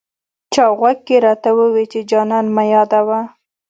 چا غوږ کې راته وویې چې جانان مه یادوه.